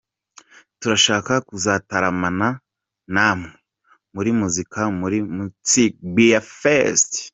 Turashaka kuzataramana na mwe muri muzika muri Mutzing Beer Fest.